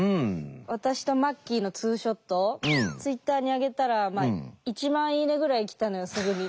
私とまっきぃのツーショットツイッターに上げたら「１万いいね」ぐらい来たのよすぐに。